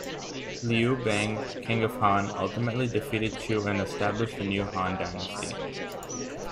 Liu Bang, king of Han, ultimately defeated Chu and established the new Han dynasty.